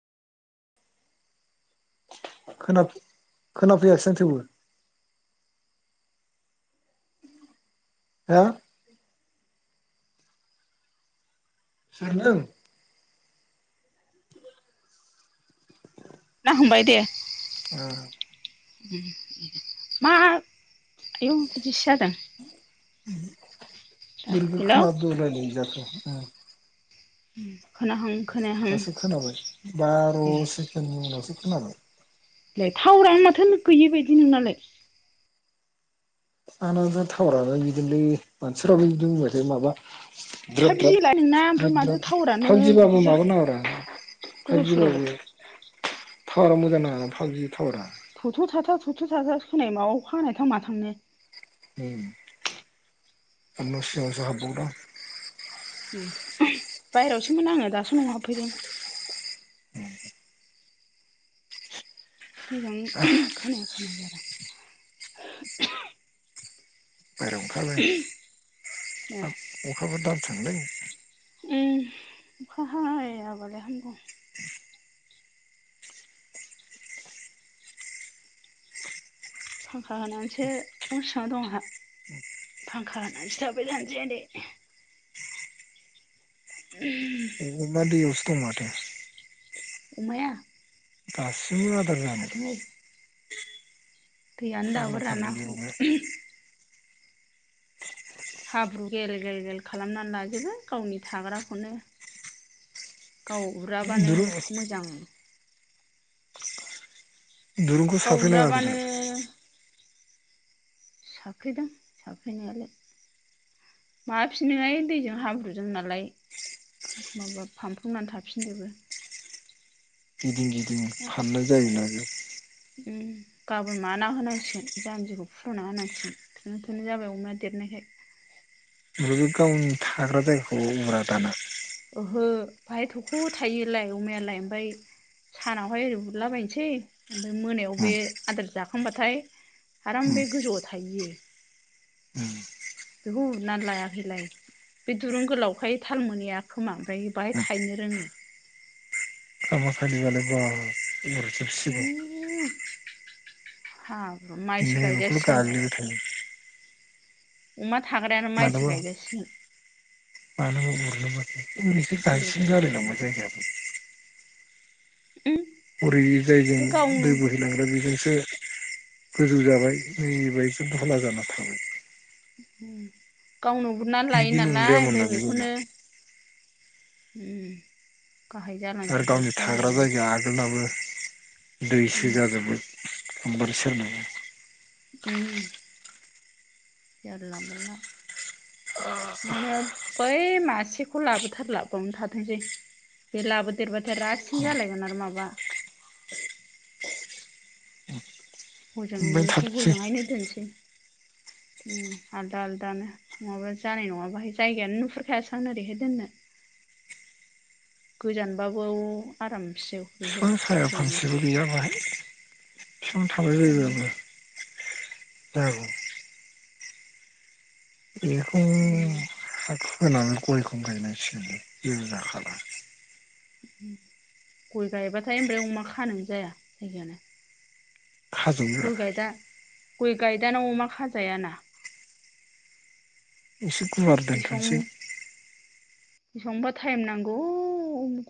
खोना खोनाफैयासै माथो हा [unintelligible] ना हमबाय दे मा आयौ बिदिसो जादों उम दा बुरग हेलौ खोना [unintelligible] उम दासो खोनाबाय बार' सेकेणडनि उनावसो खोनाबाय टावारानो माथो गैयि बायदि नोंनालाय आंना थावाराबो बिदिनोलै मानसिफ्राबो बिदिनो बुंबायथायो माबा द्रोद द्राद फाइभजि लाय नोंना ओमफ्राय द्रोद माथो द्राद टावारानो फाइभजिबाबो बिदि माबा जाखो नाङाब्रा गोदाव सोरावलाय थावारा मोजां नाङा [unintelligible] थावरा थथ' था था थथ' थाथा खोनाय माबायाव खानाय थां थांनो [unintelligible] ए बायह्रायावसोमोन आङो दासो न'आव हाबफैदों मोजां खानाय [unintelligible] [unintelligible] ए अखाफोर दानस्रांलै उम अखा हायाबालाय हामगौ फांखा होनानैसो न'सिङाव दं आंहा फांखा होनानैसो थाबबाय थानोसै आ दे [unintelligible] [unintelligible] अमाया बास जादार जानो थाथोंहाय दैयानो दाबो फाग्लाथारलै रानना बे अमाया हाब्रु गेल गेल गेल खालामनानै लाजोबो गावनि थाग्राखौनो गाव उराबानो दुरु मोजां। दुरुंखौ गाव साफ्रेनाङाखै उराबानो दहाय। [inaudible] [inaudible] [inaudible] [inaudible] बेबो गावनि थाग्रा जायगाखौ उरा दाना। [inaudible] बेखौ उरनानै लायाखैलाय बे दुरुं गोलावखाय थाल मोनहैया खोमा ओमफ्राय बाहाय थायनो रोङो। [inaudible] उरजोबसिगौ। हा। [inaudible] [inaudible] थाग्रायानो माइसो मानोबा गायजासिगोन। मानोबा गेल गेल उरो। गेलनो [inaudible] उम बे गावनो [inaudible] [inaudible] उम गावनो उरनानै लायो बिदि नालाय नंद्रायामोन ना ओमफ्राय बे जायगाया बेखौनो उम। गाहाय आरो जालांजोब्बाय गावनि थाग्रा जायगायानो जायगाया आगोलनाबो। दैसो उम जाजोबो। [inaudible] जारला मोनला ओे बै मासेखौ लाबोथारला बावनो थाथोंसै बे लाबोदेरबाथाय रासिन जालायगोन आरो माबा। ओमफ्राय हजोंनिखौ थाथोंसै हजोंहायनो दोनसै। आलदा आलदानो नङाबा जानाय नङा बाहाय जायगायानो नुहुरखायासै आं ओरैहाय दोननो गोजानबाबो आरामसे। ओरैहाय बिफां साया गोजौनो फांसेबो गैया बाहाय। बिफां थांबाय जायो। औ। बेखौ। उम होनाङो गयखौं गायनाय फिनो जिरजाखा गय गायबाथाय ओमफ्राय अमा खानो जाया जायगायानो खाजोबगोरा गय गायदा गय गायदानाव अमा खाजायाना। एसे गुवार दोनथ'नोसै। बिसिबांबा टाइम नांगौ।